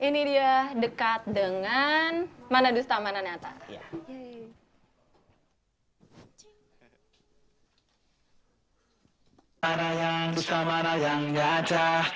makasih juga sih